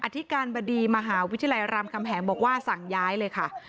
ธิการบดีมหาวิทยาลัยรามคำแหงบอกว่าสั่งย้ายเลยค่ะ